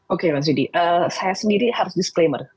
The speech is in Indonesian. oke mas yudi saya sendiri harus disclaimer